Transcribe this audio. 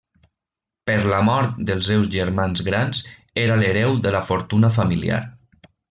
Per la mort dels seus germans grans, era l'hereu de la fortuna familiar.